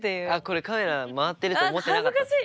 これカメラ回ってると思ってなかった。